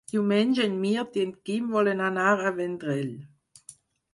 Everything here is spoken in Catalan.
Diumenge en Mirt i en Quim volen anar al Vendrell.